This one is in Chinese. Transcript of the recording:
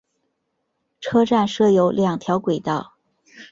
车站设有两条轨道。